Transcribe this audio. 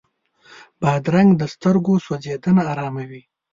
بادرنګ د سترګو سوځېدنه اراموي.